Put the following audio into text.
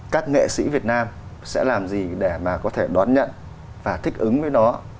các nghệ sĩ việt nam sẽ làm gì để mà có thể đón nhận và thích ứng với nó